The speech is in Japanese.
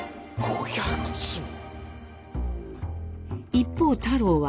一方太郎は。